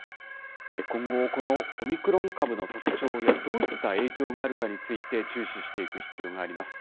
今後、このオミクロン株の特徴や、どういった影響があるかについて、注視していく必要があります。